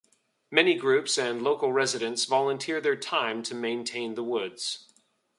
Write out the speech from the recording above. Many groups and local residents volunteer their time to maintain the woods.